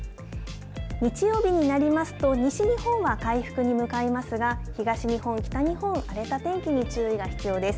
日曜日になりますと西日本は回復に向かいますが東日本、北日本荒れた天気に注意が必要です。